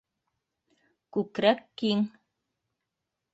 Күкрәк киң.